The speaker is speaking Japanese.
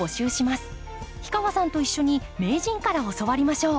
氷川さんと一緒に名人から教わりましょう。